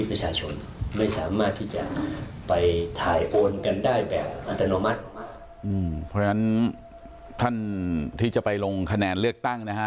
เพราะฉะนั้นท่านที่จะไปลงคะแนนเลือกตั้งนะฮะ